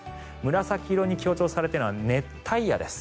紫色に強調されているのは熱帯夜です。